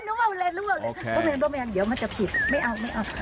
นึกว่าเราเล่นค่ะโปรแมนค่ะเดี๋ยวมันจะผิดไม่เอา